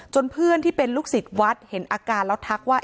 เพื่อนที่เป็นลูกศิษย์วัดเห็นอาการแล้วทักว่า